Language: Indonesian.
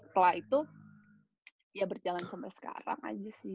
jadi setelah itu ya berjalan sampai sekarang aja sih